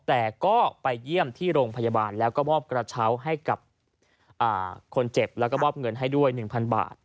แต่ก็ไปเยี่ยมที่โรงพยาบาลแล้วก็มอบกระเช้าให้กับคนเจ็บแล้วก็มอบเงินให้ด้วย๑๐๐บาท